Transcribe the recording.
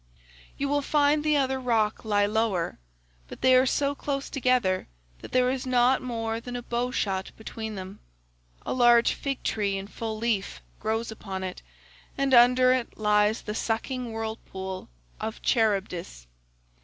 "'You will find the other rock lie lower, but they are so close together that there is not more than a bow shot between them. [A large fig tree in full leaf101 grows upon it], and under it lies the sucking whirlpool of Charybdis.